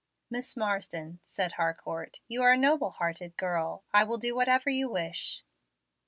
"Miss Marsden," said Harcourt, "you are a noble hearted girl. I will do whatever you wish."